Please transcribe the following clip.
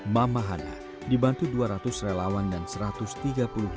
mama hana dibantu dua ratus relawan dan satu ratus tiga puluh lima